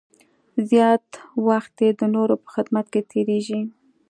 زیات وخت یې د نورو په خدمت کې تېرېږي.